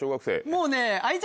もうね。